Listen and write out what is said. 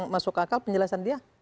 masuk akal penjelasan dia